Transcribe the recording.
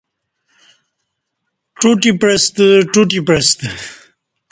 ٹوٹی پعستہ ٹوٹی پعستہ